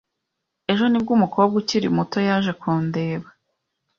Ejo nibwo umukobwa ukiri muto yaje kundeba.